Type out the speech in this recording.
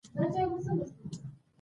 د پیسو لپاره خپل عزت مه پلورئ.